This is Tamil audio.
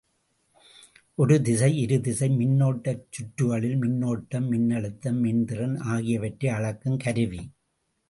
ஒரு திசை, இரு திசை மின்னோட்டச் சுற்றுகளில் மின்னோட்டம் மின்னழுத்தம், மின்திறன் ஆகியவற்றை அளக்கும் கருவி.